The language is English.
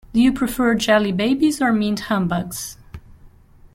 Do you prefer jelly babies or mint humbugs?